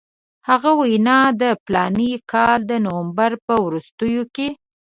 هغه وینا د فلاني کال د نومبر په وروستیو کې.